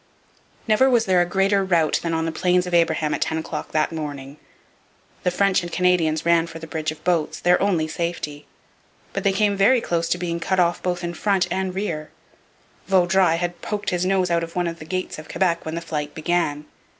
Never was there a greater rout than on the Plains of Abraham at ten o'clock that morning. The French and Canadians ran for the bridge of boats, their only safety. But they came very close to being cut off both in front and rear. Vaudreuil had poked his nose out of one of the gates of Quebec when the flight began.